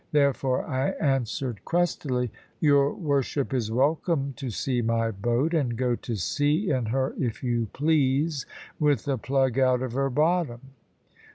Therefore I answered crustily, "Your worship is welcome to see my boat, and go to sea in her if you please, with the plug out of her bottom.